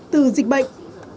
từ dịch bệnh